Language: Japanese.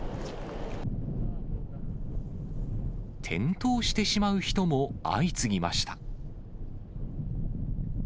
転倒してしまう人も相次ぎました。